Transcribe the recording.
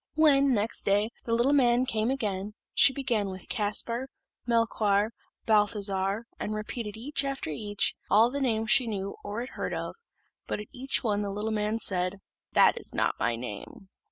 When, next day, the little man came again, she began with Caspar, Melchoir, Balthazar, and repeated, each after each, all the names she knew or had heard of; but at each one the little man said, "That is not my name."